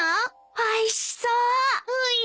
おいしそうです。